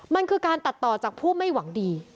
มันคือการตัดต่อจากผู้ไม่หวังดี